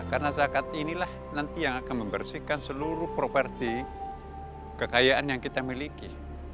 karena zakat inilah nanti yang akan membersihkan seluruh properti kekayaan yang kita miliki